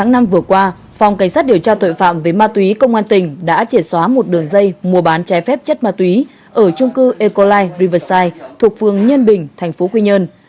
năm vừa qua phòng cảnh sát điều tra thuệ phạm với ma túy công an tỉnh đã chỉ xóa một đường dây mua bán trái phép chất ma túy ở trung cư ecolife riverside thuộc phương nhân bình tp quy nhơn